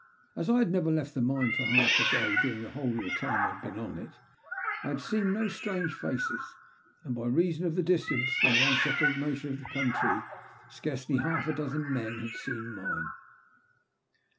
As I had never left the mine for half a day during the whole of the time I had been on it, I had seen no strange faces, and by reason of the distance and the unsettled nature of the country, scarcely half a dozen had seen mine.